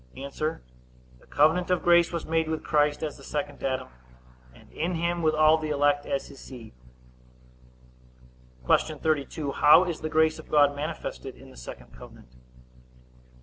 A. The covenant of grace was made with Christ as the second Adam, and in him with all the elect as his seed. Q. 32. How is the grace of God manifested in the second covenant?